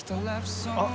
あっ。